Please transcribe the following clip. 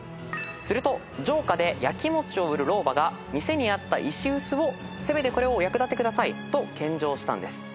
すると城下で焼き餅を売る老婆が店にあった石臼をせめてこれをお役立てくださいと献上したんです。